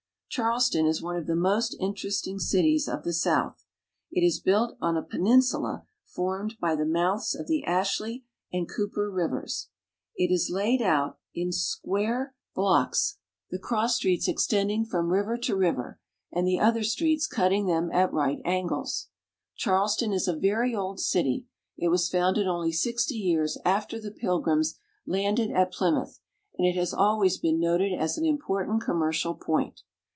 Charleston is one of the most interesting cities of the South. It is built on a peninsula formed by the mouths of the Ashley and Cooper rivers. It is laid out in square 124 THE SOUTH. blocks, the cross streets extending from river to river, and the other streets cutting them at right angles. Charleston is a very old city ; it was founded only sixty years after the Pilgrims landed at Plymouth ; and it has always been noted as an important commercial point.